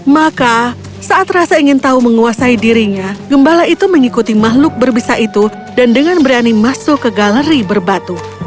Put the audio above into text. maka saat rasa ingin tahu menguasai dirinya gembala itu mengikuti makhluk berbisa itu dan dengan berani masuk ke galeri berbatu